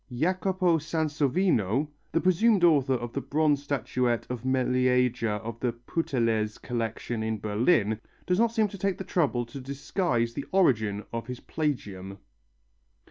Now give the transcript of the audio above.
Jacopo Sansovino, the presumed author of the bronze statuette of Meleager of the Pourtales collection in Berlin, does not seem to take the trouble to disguise the origin of his plagium.